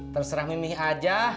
terserah mimi aja